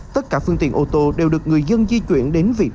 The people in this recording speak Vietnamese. tất cả phương tiện ô tô đều được người dân di chuyển đến vị trí